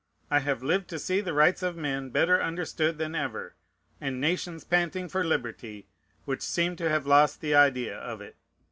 I have lived to see the rights of men better understood than ever, and nations panting for liberty which seemed to have lost the idea of it.